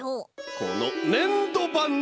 このねんどばんね！